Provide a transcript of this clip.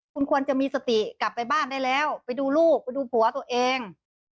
คุณควรจะมีสติกลับไปบ้านได้แล้วไปดูลูกไปดูผัวตัวเอง